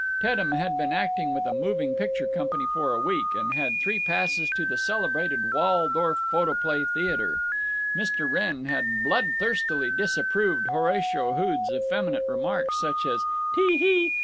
Teddem had been acting with a moving picture company for a week, and had three passes to the celebrated Waldorf Photoplay Theater. Mr. Wrenn had bloodthirstily disapproved Horatio Hood's effeminate remarks, such as "Tee _hee!